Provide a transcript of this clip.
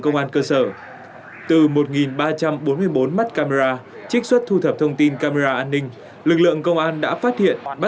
công an cơ sở từ một ba trăm bốn mươi bốn mắt camera trích xuất thu thập thông tin camera an ninh